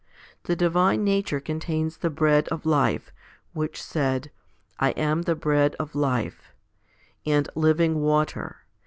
The divine nature contains the bread of life, which said, / am the bread of life 2 and living water?